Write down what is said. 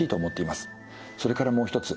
それからもう一つ。